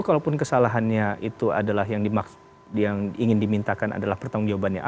itu kalau pun kesalahannya itu adalah yang ingin dimintakan adalah pertanggung jawabannya